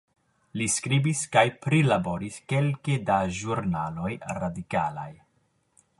Li skribis kaj prilaboris kelke da ĵurnaloj radikalaj.